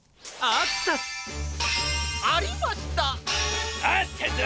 あったぞ！